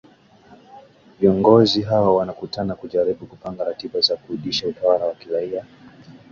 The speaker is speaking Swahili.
Viongozi hao wanakutana kujaribu kupanga ratiba za kurudisha utawala wa kiraia